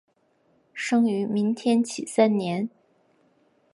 生于明天启三年。